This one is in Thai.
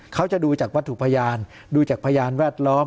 เขาจะดูจากวัตถุพยานดูจากพยานแวดล้อม